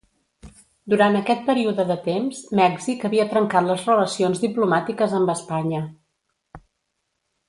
Durant aquest període de temps, Mèxic havia trencat les relacions diplomàtiques amb Espanya.